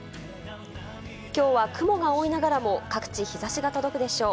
きょうは雲が多いながらも各地、日差しが届くでしょう。